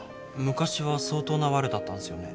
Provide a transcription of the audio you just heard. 昔は相当なワルだったんすよね。